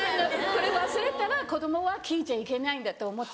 それ忘れたら子供は聞いちゃいけないんだと思っちゃう。